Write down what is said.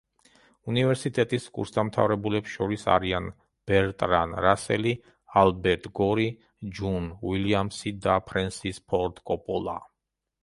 უნივერსიტეტის კურსდამთავრებულებს შორის არიან: ბერტრან რასელი, ალბერტ გორი, ჯონ უილიამსი და ფრენსის ფორდ კოპოლა.